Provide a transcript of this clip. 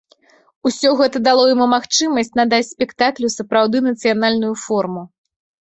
Усё гэта дало яму магчымасць надаць спектаклю сапраўды нацыянальную форму.